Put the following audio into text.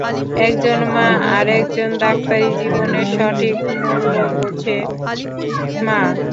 একজন মা আর একজন ডাক্তারই জীবনের সঠিক মূল্য বুঝে, মা।